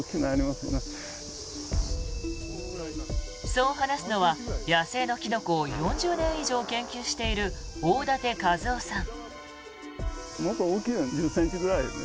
そう話すのは野生のキノコを４０年以上研究している大舘一夫さん。